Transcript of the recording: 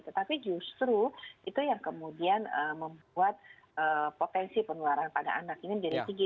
tetapi justru itu yang kemudian membuat potensi penularan pada anak ini menjadi tinggi